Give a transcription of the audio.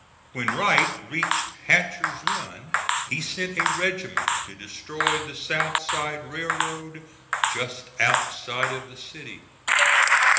When Wright reached Hatcher's Run, he sent a regiment to destroy the South Side Railroad just outside of the city.